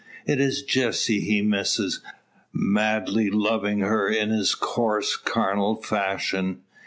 It is Jessie he misses; madly loving her in his course carnal fashion.